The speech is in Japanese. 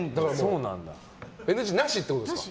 ＮＧなしってことですか？